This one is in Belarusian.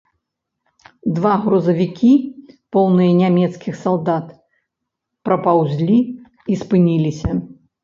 Два грузавікі, поўныя нямецкіх салдат, прапаўзлі і спыніліся.